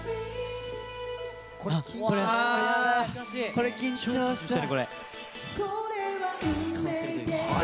これ、緊張した。